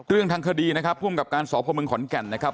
เรื่องทางคดีนะครับภูมิกับการสพเมืองขอนแก่นนะครับ